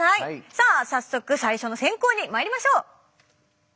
さあ早速最初の選考にまいりましょう。